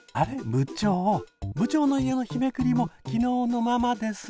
部長部長の家の日めくりも昨日のままです。